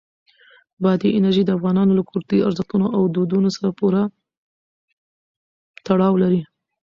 بادي انرژي د افغانانو له کلتوري ارزښتونو او دودونو سره پوره تړاو لري.